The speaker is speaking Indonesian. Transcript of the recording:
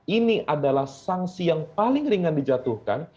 ini adalah sanksi yang paling ringan dijatuhkan